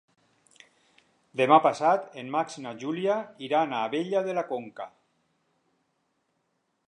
Demà passat en Max i na Júlia iran a Abella de la Conca.